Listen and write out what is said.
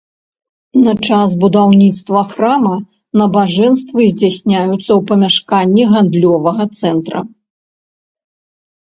На час будаўніцтва храма набажэнствы здзяйсняюцца ў памяшканні гандлёвага цэнтра.